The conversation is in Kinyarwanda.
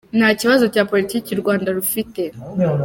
Nta kibazo cya Politiki u Rwanda rufite.